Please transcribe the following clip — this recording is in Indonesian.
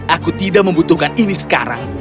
aku tidak membutuhkan ini sekarang